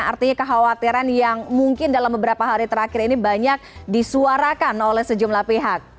artinya kekhawatiran yang mungkin dalam beberapa hari terakhir ini banyak disuarakan oleh sejumlah pihak